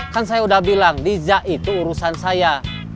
kan saya udah bilang niza itu urusan saya